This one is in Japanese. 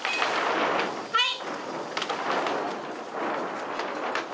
・はい！